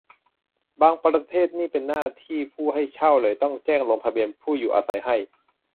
บางประเทศนี่เป็นหน้าที่ผู้ให้เช่าเลย ต้องแจ้งลงทะเบียนผู้อยู่อาศัยให้